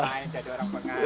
udah orang pengas